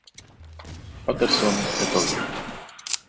Paterson e"t al.